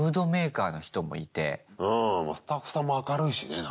スタッフさんも明るいしねなんか。